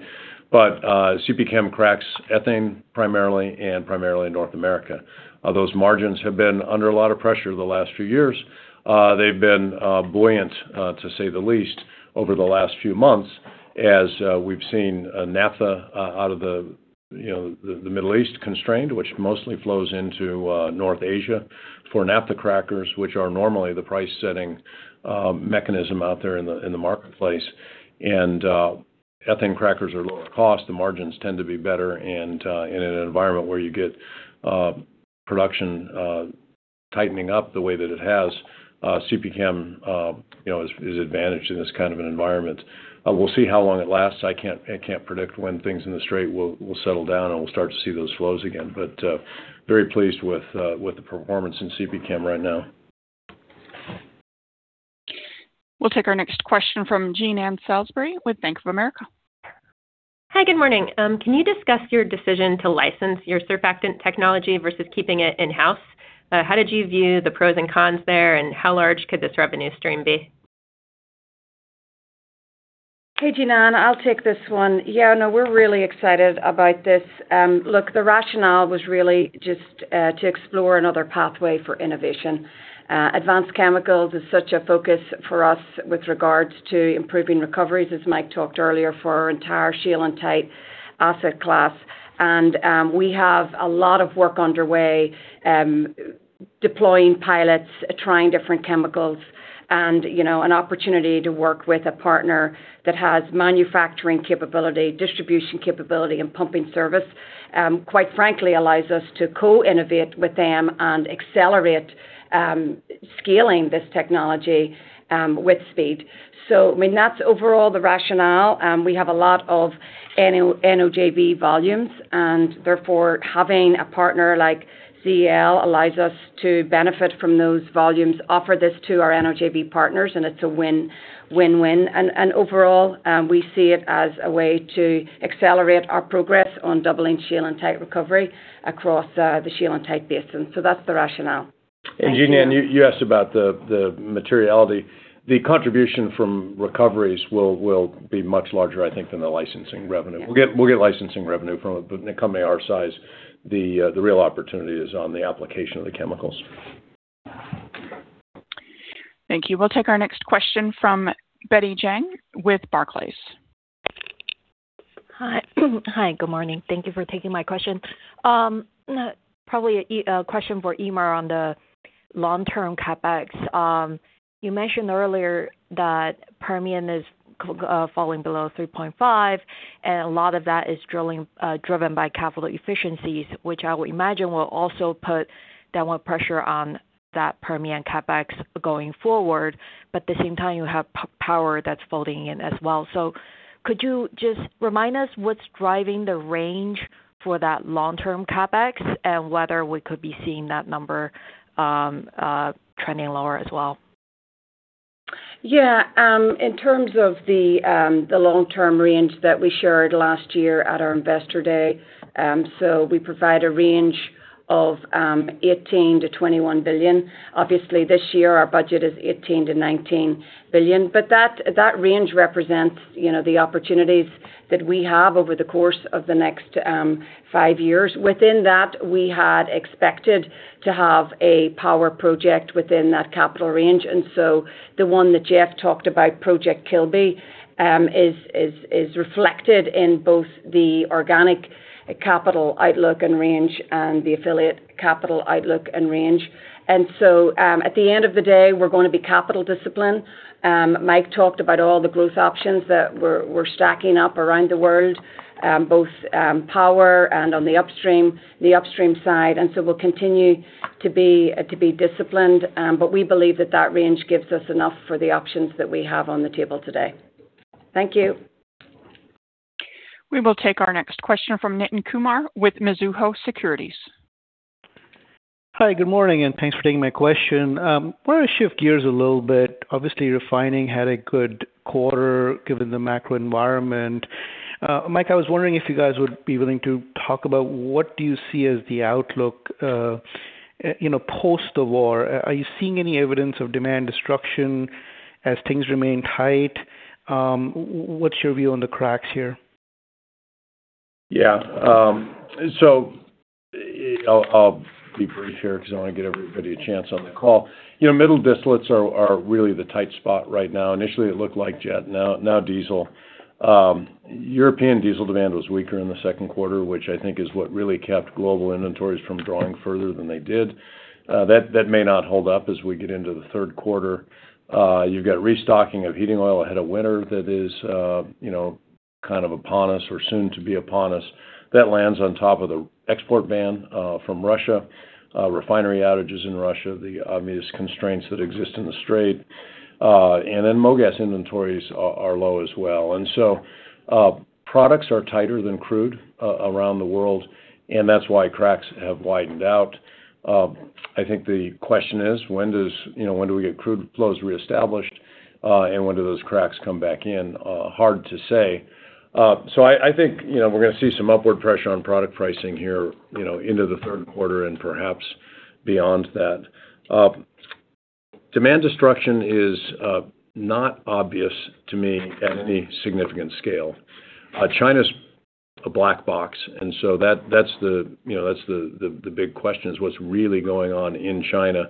CPChem cracks ethane primarily, and primarily in North America. Those margins have been under a lot of pressure the last few years. They've been buoyant, to say the least, over the last few months, as we've seen naphtha out of the Middle East constrained, which mostly flows into North Asia for naphtha crackers, which are normally the price-setting mechanism out there in the marketplace. Ethane crackers are lower cost. The margins tend to be better. In an environment where you get production tightening up the way that it has, CPChem is advantaged in this kind of an environment. We'll see how long it lasts. I can't predict when things in the Strait will settle down, and we'll start to see those flows again. Very pleased with the performance in CPChem right now.
We'll take our next question from Jean Ann Salisbury with Bank of America.
Hi, good morning. Can you discuss your decision to license your surfactant technology versus keeping it in-house? How did you view the pros and cons there, and how large could this revenue stream be?
Hey, Jean Ann, I'll take this one. Yeah, no, we're really excited about this. Look, the rationale was really just to explore another pathway for innovation. Advanced chemicals is such a focus for us with regards to improving recoveries, as Mike talked earlier, for our entire shale and tight asset class. We have a lot of work underway deploying pilots, trying different chemicals, and an opportunity to work with a partner that has manufacturing capability, distribution capability, and pumping service, quite frankly, allows us to co-innovate with them and accelerate scaling this technology with speed. I mean, that's overall the rationale. We have a lot of NOJV volumes, and therefore, having a partner like CEL allows us to benefit from those volumes, offer this to our NOJV partners, and it's a win-win-win. Overall, we see it as a way to accelerate our progress on doubling shale and tight recovery across the shale and tight basin. That's the rationale.
Jean Ann, you asked about the materiality. The contribution from recoveries will be much larger, I think, than the licensing revenue. We'll get licensing revenue from a company our size. The real opportunity is on the application of the chemicals.
Thank you. We'll take our next question from Betty Jiang with Barclays.
Hi. Good morning. Thank you for taking my question. Probably a question for Eimear on the long-term CapEx. You mentioned earlier that Permian is falling below 3.5, and a lot of that is driven by capital efficiencies, which I would imagine will also put downward pressure on that Permian CapEx going forward. At the same time, you have power that's folding in as well. Could you just remind us what's driving the range for that long-term CapEx, and whether we could be seeing that number trending lower as well?
Yeah. In terms of the long-term range that we shared last year at our investor day, we provide a range of $18 billion-$21 billion. Obviously, this year our budget is $18 billion-$19 billion. That range represents the opportunities that we have over the course of the next five years. Within that, we had expected to have a power project within that capital range. The one that Jeff talked about, Project Kilby, is reflected in both the organic capital outlook and range and the affiliate capital outlook and range. At the end of the day, we're going to be capital disciplined. Mike talked about all the growth options that we're stacking up around the world, both power and on the upstream side. We'll continue to be disciplined. We believe that that range gives us enough for the options that we have on the table today. Thank you.
We will take our next question from Nitin Kumar with Mizuho Securities.
Hi, good morning. Thanks for taking my question. I want to shift gears a little bit. Obviously, refining had a good quarter, given the macro environment. Mike, I was wondering if you guys would be willing to talk about what do you see as the outlook post the war. Are you seeing any evidence of demand destruction as things remain tight? What's your view on the cracks here?
Yeah. I'll be brief here because I want to give everybody a chance on the call. Middle distillates are really the tight spot right now. Initially, it looked like jet, now diesel. European diesel demand was weaker in the second quarter, which I think is what really kept global inventories from drawing further than they did. That may not hold up as we get into the third quarter. You've got restocking of heating oil ahead of winter that is kind of upon us or soon to be upon us. That lands on top of the export ban from Russia, refinery outages in Russia, the obvious constraints that exist in the strait, mogas inventories are low as well. Products are tighter than crude around the world, and that's why cracks have widened out. I think the question is, when do we get crude flows reestablished, and when do those cracks come back in? Hard to say. I think we're going to see some upward pressure on product pricing here into the third quarter and perhaps beyond that. Demand destruction is not obvious to me at any significant scale. China's a black box, that's the big question, is what's really going on in China?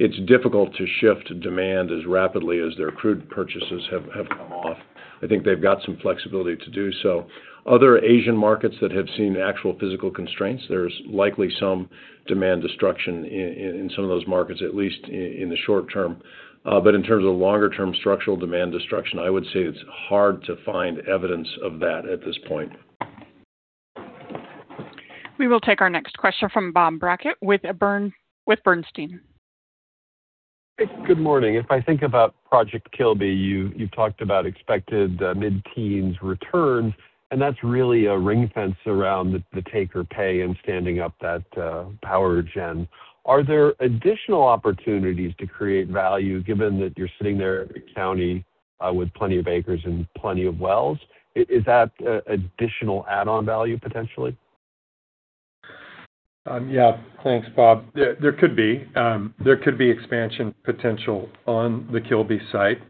It's difficult to shift demand as rapidly as their crude purchases have come off. I think they've got some flexibility to do so. Other Asian markets that have seen actual physical constraints, there's likely some demand destruction in some of those markets, at least in the short term. In terms of longer-term structural demand destruction, I would say it's hard to find evidence of that at this point.
We will take our next question from Bob Brackett with Bernstein.
Good morning. If I think about Project Kilby, you've talked about expected mid-teens returns, and that's really a ring fence around the take or pay and standing up that power gen. Are there additional opportunities to create value given that you're sitting there at county with plenty of acres and plenty of wells? Is that additional add-on value potentially?
Thanks, Bob. There could be expansion potential on the Kilby site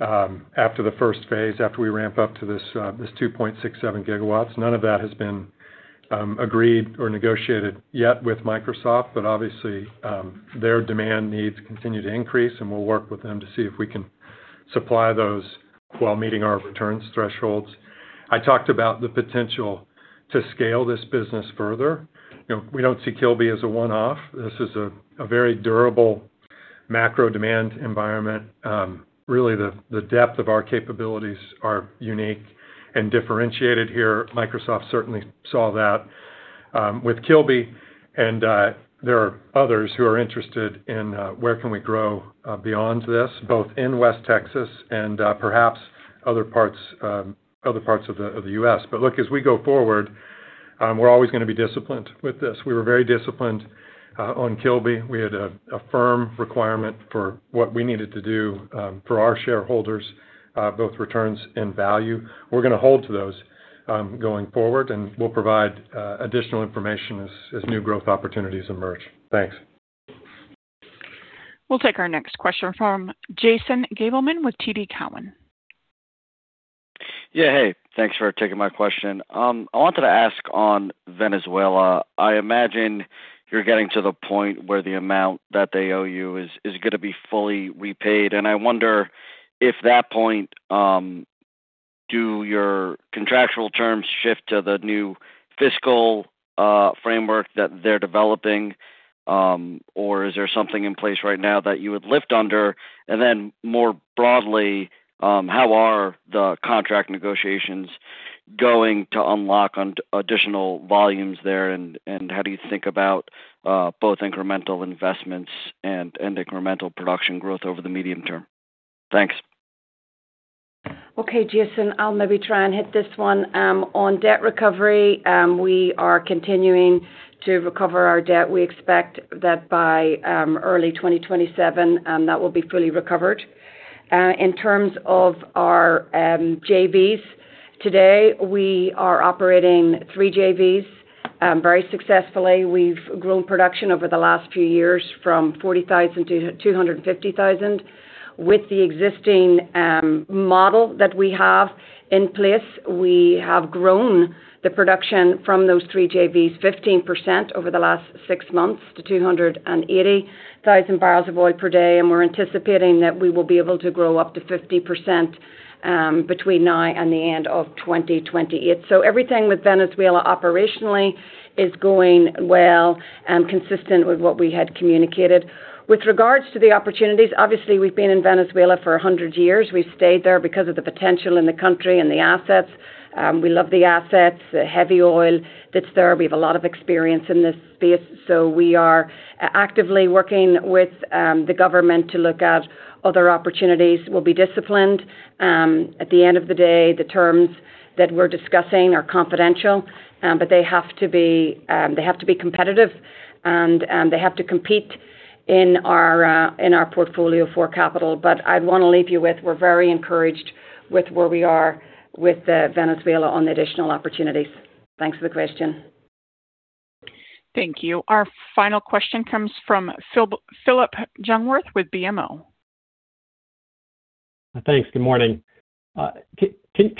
after the first phase, after we ramp up to this 2.67 gigawatts. None of that has been agreed or negotiated yet with Microsoft, obviously, their demand needs continue to increase, and we'll work with them to see if we can supply those while meeting our returns thresholds. I talked about the potential to scale this business further. We don't see Kilby as a one-off. This is a very durable macro demand environment. Really, the depth of our capabilities are unique and differentiated here. Microsoft certainly saw that with Kilby, and there are others who are interested in where can we grow beyond this, both in West Texas and perhaps other parts of the U.S. Look, as we go forward, we're always going to be disciplined with this. We were very disciplined on Kilby.
We had a firm requirement for what we needed to do for our shareholders, both returns and value. We're going to hold to those going forward, and we'll provide additional information as new growth opportunities emerge. Thanks.
We'll take our next question from Jason Gabelman with TD Cowen.
Hey, thanks for taking my question. I wanted to ask on Venezuela, I imagine you're getting to the point where the amount that they owe you is going to be fully repaid. I wonder if that point, do your contractual terms shift to the new fiscal framework that they're developing? Is there something in place right now that you would lift under? More broadly, how are the contract negotiations going to unlock additional volumes there? How do you think about both incremental investments and incremental production growth over the medium term? Thanks.
Jason, I'll maybe try and hit this one. On debt recovery, we are continuing to recover our debt. We expect that by early 2027, that will be fully recovered. In terms of our JVs today, we are operating three JVs, very successfully. We've grown production over the last few years from 40,000 to 250,000. With the existing model that we have in place, we have grown the production from those three JVs 15% over the last six months to 280,000 barrels of oil per day. We're anticipating that we will be able to grow up to 50% between now and the end of 2028. Everything with Venezuela operationally is going well and consistent with what we had communicated. With regards to the opportunities, obviously, we've been in Venezuela for 100 years. We've stayed there because of the potential in the country and the assets. We love the assets, the heavy oil that's there. We have a lot of experience in this space, so we are actively working with the government to look at other opportunities. We'll be disciplined. At the end of the day, the terms that we're discussing are confidential. They have to be competitive and they have to compete in our portfolio for capital. I want to leave you with, we're very encouraged with where we are with Venezuela on additional opportunities. Thanks for the question.
Thank you. Our final question comes from Phillip Jungwirth with BMO.
Thanks. Good morning. Can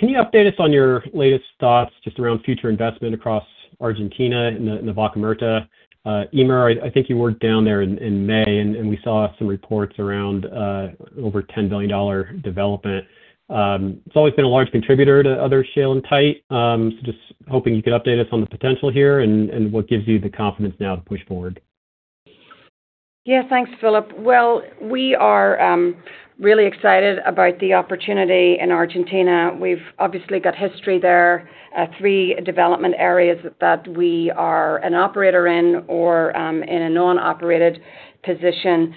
you update us on your latest thoughts just around future investment across Argentina in the Vaca Muerta? Eimear, I think you were down there in May, and we saw some reports around over $10 billion development. It's always been a large contributor to other shale and tight. Just hoping you could update us on the potential here and what gives you the confidence now to push forward.
Yeah. Thanks, Phillip. Well, we are really excited about the opportunity in Argentina. We've obviously got history there. 3 development areas that we are an operator in or in a non-operated position.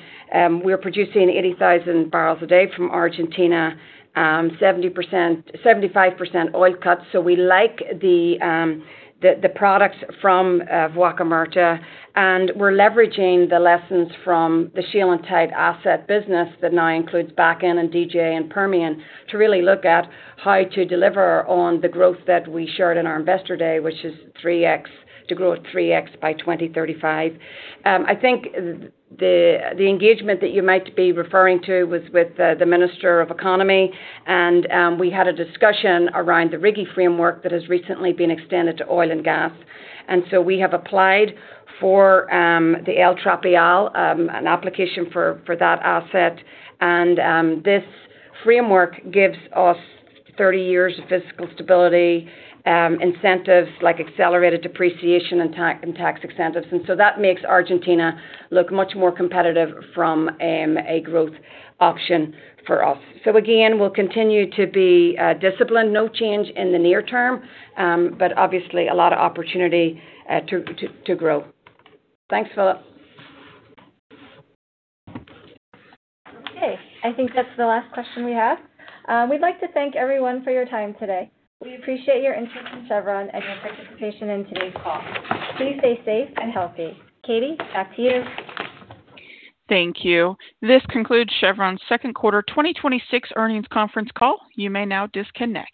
We're producing 80,000 barrels a day from Argentina, 75% oil cuts. We like the products from Vaca Muerta, and we're leveraging the lessons from the shale and tight asset business that now includes Bakken and DJ and Permian to really look at how to deliver on the growth that we shared in our investor day, which is to grow at 3x by 2035. I think the engagement that you might be referring to was with the Minister of Economy, and we had a discussion around the RIGI framework that has recently been extended to oil and gas. We have applied for the El Trapial, an application for that asset. This framework gives us 30 years of fiscal stability, incentives like accelerated depreciation and tax incentives. That makes Argentina look much more competitive from a growth option for us. Again, we'll continue to be disciplined. No change in the near term, but obviously a lot of opportunity to grow. Thanks, Phillip.
Okay. I think that's the last question we have. We'd like to thank everyone for your time today. We appreciate your interest in Chevron and your participation in today's call. Please stay safe and healthy. Katie, back to you.
Thank you. This concludes Chevron's second quarter 2026 earnings conference call. You may now disconnect.